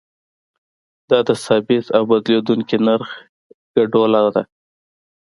دا د ثابت او بدلیدونکي نرخ ګډوله ده.